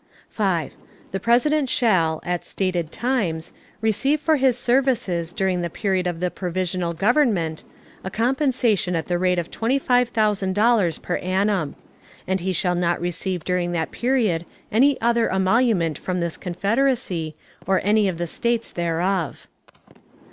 5. The President shall, at stated times, receive for his services during the period of the Provisional Government a compensation at the rate of twenty five thousand dollars per annum; and he shall not receive during that period any other emolument from this Confederacy, or any of the States thereof.